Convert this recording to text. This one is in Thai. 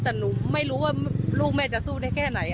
แต่หนูไม่รู้ว่าลูกแม่จะสู้ได้แค่ไหน